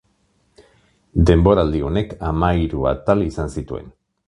Denboraldi honek hamahiru atal izan zituen.